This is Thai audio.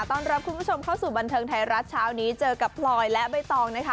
ต้อนรับคุณผู้ชมเข้าสู่บันเทิงไทยรัฐเช้านี้เจอกับพลอยและใบตองนะคะ